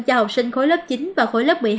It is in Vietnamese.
cho học sinh khối lớp chín và khối lớp một mươi hai